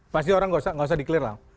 pasti orang nggak usah di clear lah